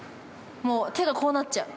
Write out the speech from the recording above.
◆手がこうなっちゃう。